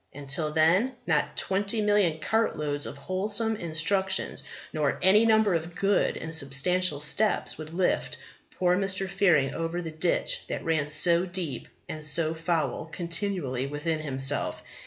And, till then, not twenty million cart loads of wholesome instructions, nor any number of good and substantial steps, would lift poor Mr. Fearing over the ditch that ran so deep and so foul continually within himself.